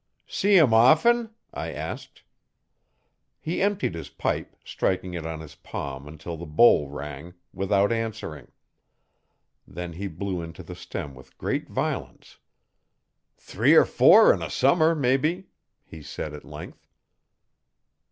'See 'em often?' I asked. He emptied his pipe, striking it on his palm until the bowl rang, without answering. Then he blew into the stem with great violence. 'Three or four 'n a summer, mebbe,' he said at length.